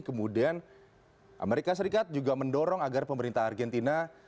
kemudian amerika serikat juga mendorong agar pemerintah argentina